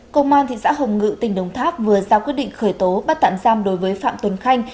công an thị xã hồng ngự tỉnh đồng tháp vừa ra quyết định khởi tố bắt tạm giam đối với phạm tuấn khanh